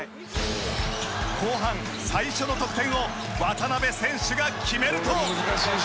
後半、最初の得点を渡邊選手が決めると。